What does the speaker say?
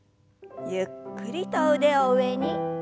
ゆっくりと腕を上に。